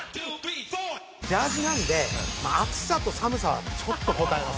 ジャージーなんで暑さと寒さはちょっとこたえますね。